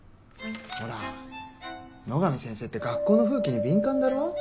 ほら野上先生って学校の風紀に敏感だろ。